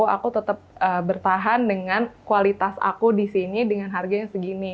aku tetap bertahan dengan kualitas aku disini dengan harganya segini